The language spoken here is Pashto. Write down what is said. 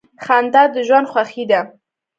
• خندا د ژوند خوښي ده.